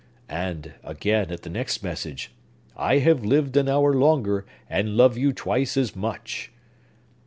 and, again, at the next message 'I have lived an hour longer, and love you twice as much!